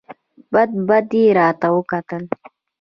بد بد یې راته وکتل !